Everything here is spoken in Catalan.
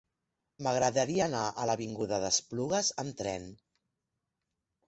M'agradaria anar a l'avinguda d'Esplugues amb tren.